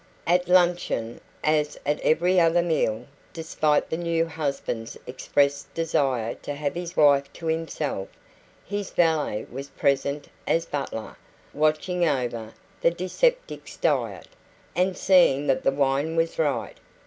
At luncheon, as at every other meal despite the new husband's expressed desire to have his wife to himself his valet was present as butler, watching over the dyspeptic's diet, and seeing that the wine was right.